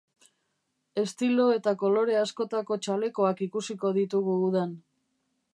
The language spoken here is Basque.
Estilo eta kolore askotako txalekoak ikusiko ditugu udan.